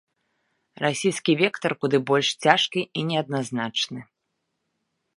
Расійскі вектар куды больш цяжкі і неадназначны.